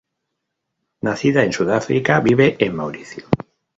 Nacida en Sudáfrica vive en Mauricio.